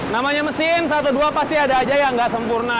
namanya mesin satu dua pasti ada aja yang nggak sempurna